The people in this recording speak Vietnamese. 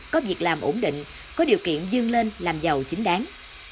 có việc làm ổn định có điều kiện dương lên làm giàu chính đáng